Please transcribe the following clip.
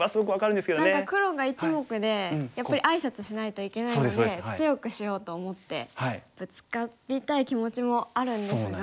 何か黒が１目でやっぱりあいさつしないといけないので強くしようと思ってブツカりたい気持ちもあるんですが。